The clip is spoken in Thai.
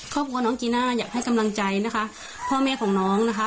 ครอบครัวน้องจีน่าอยากให้กำลังใจนะคะพ่อแม่ของน้องนะคะ